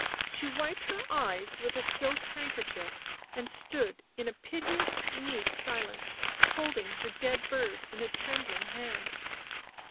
She wiped her eyes with a silk handkerchief, and stood in a piteous meek silence, holding her dead bird in a trembling hand.